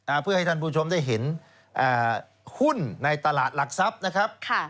เพื่อให้ท่านผู้ชมได้เห็นอ่าหุ้นในตลาดหลักทรัพย์นะครับค่ะ